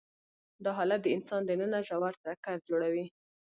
دا حالت د انسان دننه ژور ټکر جوړوي.